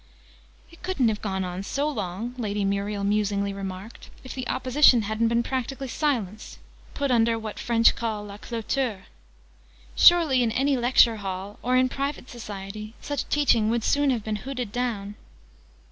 "It couldn't have gone on so long," Lady Muriel musingly remarked, "if the Opposition hadn't been practically silenced put under what the French call la cloture. Surely in any lecture hall, or in private society, such teaching would soon have been hooted down?"